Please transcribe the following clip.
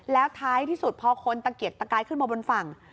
แล้วท้ายที่สุดพอคนตะเกียกตะกายขึ้นมาบนฝั่ง